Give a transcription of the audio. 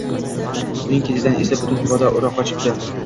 Uning ketidan esa butun poda ura qochibdi